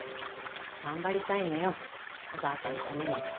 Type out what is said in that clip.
頑張りたいのよおばあちゃんのためにも。